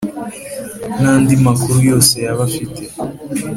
n andi makuru yose yaba afite